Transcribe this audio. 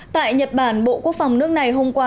tại nhật bản bộ quốc phòng nước này hôm qua